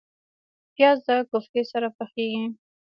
پیاز د کوفتې سره پخیږي